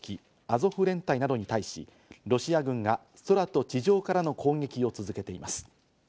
アゾフ連隊などに対し、ロシア軍が空と地上からの攻撃を続けています。